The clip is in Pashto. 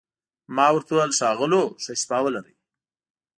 ما ورته وویل: ښاغلو، ښه شپه ولرئ.